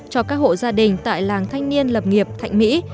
cho các hộ gia đình tại làng thanh niên lập nghiệp thạnh mỹ